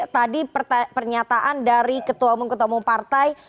tadi pernyataan dari ketua umum ketua umum partai